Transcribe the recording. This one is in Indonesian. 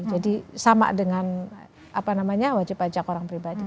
jadi sama dengan apa namanya wajib pajak orang pribadi